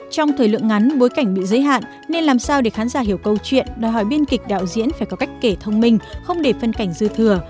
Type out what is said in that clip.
trong thời lượng ngắn bối cảnh bị giới hạn nên làm sao để khán giả hiểu câu chuyện đòi hỏi biên kịch đạo diễn phải có cách kể thông minh không để phân cảnh dư thừa